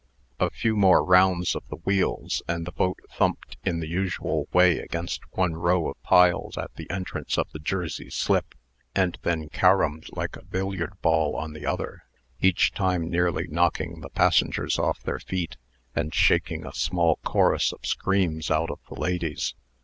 A few more rounds of the wheels, and the boat thumped in the usual way against one row of piles at the entrance of the Jersey slip, and then caromed like a billiard ball on the other, each time nearly knocking the passengers off their feet, and shaking a small chorus of screams out of the ladies.